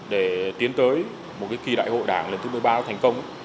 để tiến tới một kỳ đại hội đảng lần thứ một mươi ba thành công